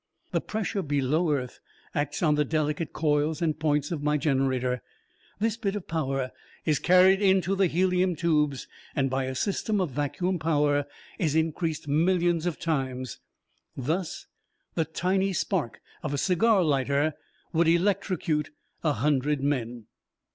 The pressure below earth acts on the delicate coils and points of my generator. This bit of power is carried into the helium tubes, and by a system of vacuum power, is increased millions of times. Thus, the tiny spark of a cigar lighter would electrocute a hundred men!"